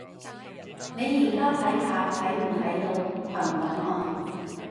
你而家睇下睇唔睇到群檔案